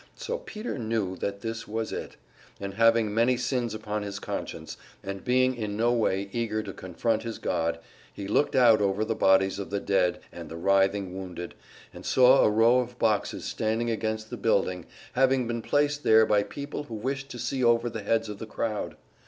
So Peter knew that this was it; and having many sins upon his conscience, and being in no way eager to confront his God, he looked out over the bodies of the dead and the writhing wounded, and saw a row of boxes standing against the building, having been placed there by people who wished to see over the heads of the crowd.